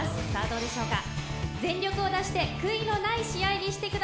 どうでしょうか。